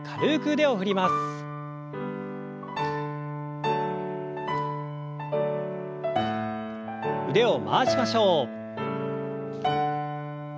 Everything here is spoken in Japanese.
腕を回しましょう。